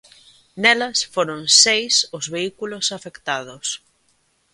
Nelas foron seis os vehículos afectados.